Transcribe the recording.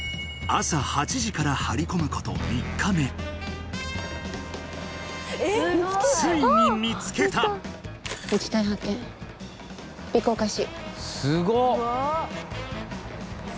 朝８時から張り込むこと３日目ついに見つけた一対発見尾行開始